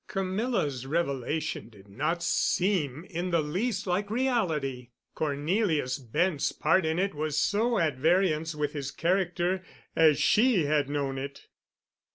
Camilla's revelation did not seem in the least like reality. Cornelius Bent's part in it was so at variance with his character as she had known it.